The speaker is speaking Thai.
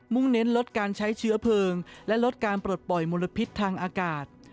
่งเน้นลดการใช้เชื้อเพลิงและลดการปลดปล่อยมลพิษทางอากาศ